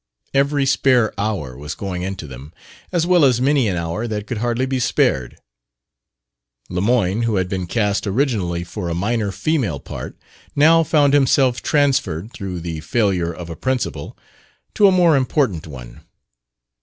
Every spare hour was going into them, as well as many an hour that could hardly be spared. Lemoyne, who had been cast originally for a minor female part, now found himself transferred, through the failure of a principal, to a more important one.